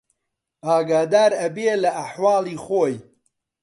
ئاگادار ئەبێ لە ئەحواڵی خۆی